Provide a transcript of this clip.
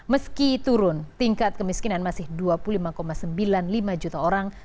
meski turun tingkat kemiskinan masih dua puluh lima sembilan puluh lima juta orang